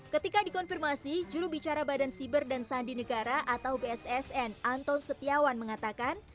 ketika dikonfirmasi jurubicara badan siber dan sandi negara atau bssn anton setiawan mengatakan